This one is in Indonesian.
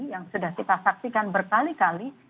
yang sudah kita saksikan berkali kali